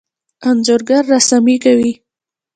انځورګر رسامي کوي.